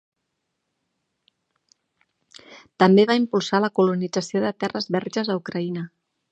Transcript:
També va impulsar la colonització de terres verges a Ucraïna.